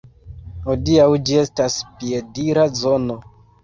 Hodiaŭ ĝi estas piedira zono.